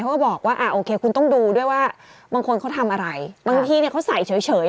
ก็บอกว่าอ่าโอเคคุณต้องดูด้วยว่าบางคนเขาทำอะไรบางทีเนี่ยเขาใส่เฉย